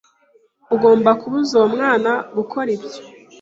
Ugomba kubuza uwo mwana gukora ibyo.